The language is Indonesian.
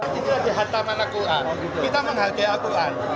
kita dihantar mana ke tuhan kita menghargai tuhan